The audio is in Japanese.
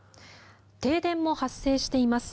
停電も発生しています。